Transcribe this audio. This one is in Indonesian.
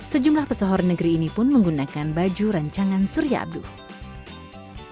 sejumlah pesohor negeri ini pun menggunakan baju rancangan surya abdul